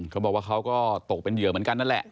เขาบอกว่าเขาก็ตกเป็นเหยื่อเหมือนกันนั่นแหละ